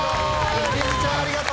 りづちゃんありがとう。